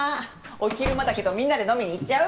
お昼間だけどみんなで飲みにいっちゃう？